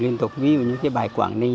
liên tục với những cái bài quảng ninh